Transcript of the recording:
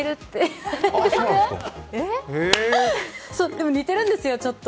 でも、似てるんですよ、ちょっと。